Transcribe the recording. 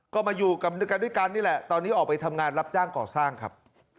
ก็มาอยู่ด้วยกันด้วยกันนี่แหละตอนนี้ออกไปทำงานรับจ้างก่อสร้างครับ